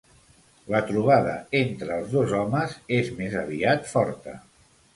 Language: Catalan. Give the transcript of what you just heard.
La trobada entre els dos homes és més aviat forta.